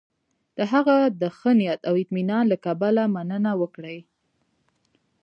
د هغه د ښه نیت او اطمینان له کبله مننه وکړي.